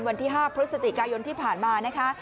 วันที่๕พฤศจิกายนที่ผ่านมานะคะ